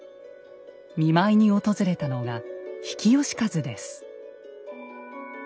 見舞いに訪れたのが比企能員です。